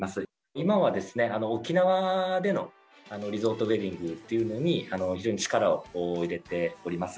今は、沖縄でのリゾートウエディングというのに、非常に力を入れております。